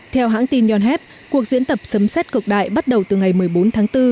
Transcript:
theo hãng tin yonhap cuộc diễn tập sấm xét cực đại bắt đầu từ ngày một mươi bốn tháng bốn